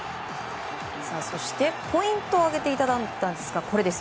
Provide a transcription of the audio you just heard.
そしてポイントを挙げていただいたんですが。